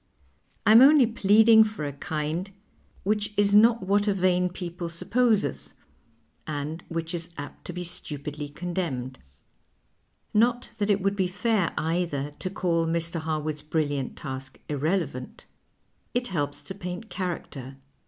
I am only pleading for a kind wjiicli is not 124 PLAYS OF TALK what a vain people supposeth, and which is apt to be stupidly condcnincd. Not that it woidd be fair, either, to call Mr. Har wood's brilliant task irrelevant. It helps to paint character.